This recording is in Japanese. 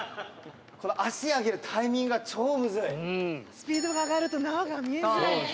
スピードが上がると縄が見えづらいんだ。